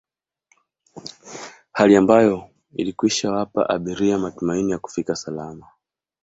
Hali ambayo ilikwishawapa abiria matumaini ya kufika salama